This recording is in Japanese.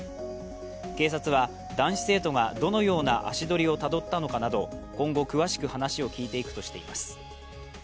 警察は男子生徒がどのような足取りをたどったのかなど今後、詳しく話を聞いていくとしています。